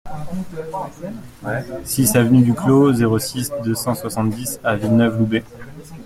six avenue du Clos, zéro six, deux cent soixante-dix à Villeneuve-Loubet